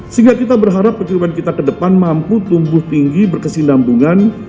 sehingga kita berharap pencurian kita ke depan mampu tumbuh tinggi berkesinambungan